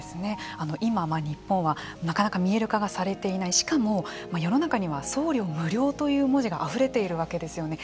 今日本はなかなか見える化がされていないしかも、世の中には送料無料という文字があふれているわけですよね。